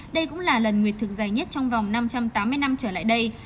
đây cũng là lần nguyệt thực dài nhất trong vòng năm trăm tám mươi năm trở lại đây